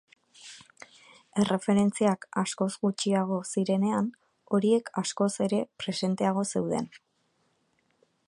Erreferentziak askoz gutxiago zirenean, horiek askoz ere presenteago zeuden.